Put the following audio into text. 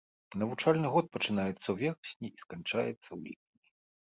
Навучальны год пачынаецца ў верасні і сканчаецца ў ліпені.